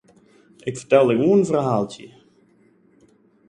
Ik fertelde gewoan in ferhaaltsje.